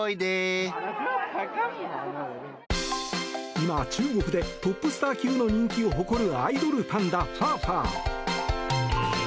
今、中国でトップスター級の人気を誇るアイドルパンダファーファー。